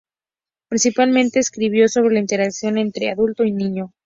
Principalmente escribió sobre la interacción entre adulto y niño.